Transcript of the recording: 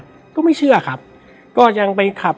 และวันนี้แขกรับเชิญที่จะมาเชิญที่เรา